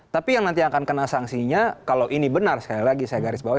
tapi yang nanti akan kena sanksinya kalau ini benar sekali lagi saya garis bawah